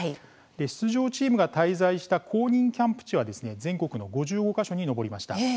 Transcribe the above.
出場チームが滞在した公認キャンプ地は全国の５５か所に上りました。